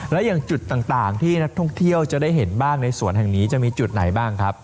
และอย่างจุดต่างที่นักท่องเที่ยวจะได้เห็นบ้างในสวนแห่งนี้จะมีจุดไหนบ้างครับ